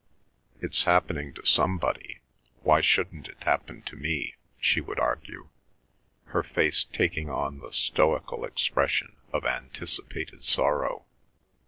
"It's happening to somebody: why shouldn't it happen to me?" she would argue, her face taking on the stoical expression of anticipated sorrow.